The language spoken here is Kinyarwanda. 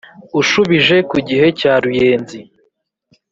ushubije ku gihe cya ruyenzi: